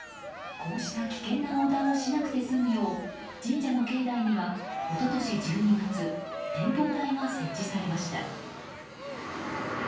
こうした危険な横断をしなくて済むよう神社の境内には一昨年１２月展望台が設置されました。